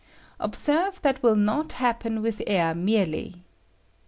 Observe, that will not happen with air merely.